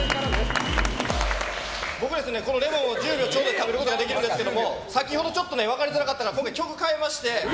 僕はこのレモンを１０秒ちょうどで食べることができるんですけど先ほど、ちょっと分かりづらかったので今回、曲を変えましてＢ